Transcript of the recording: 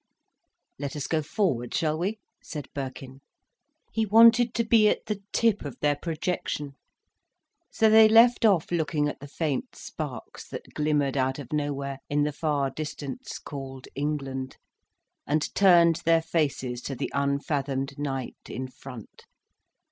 "Let us go forward, shall we?" said Birkin. He wanted to be at the tip of their projection. So they left off looking at the faint sparks that glimmered out of nowhere, in the far distance, called England, and turned their faces to the unfathomed night in front.